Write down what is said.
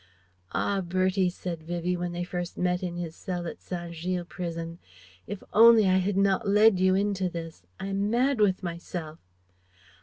"Ah, Bertie," said Vivie, when they first met in his cell at Saint Gilles prison. "If only I had not led you into this! I am mad with myself..."